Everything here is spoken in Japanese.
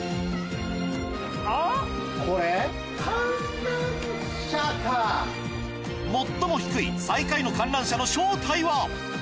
続いて最も低い最下位の観覧車の正体は？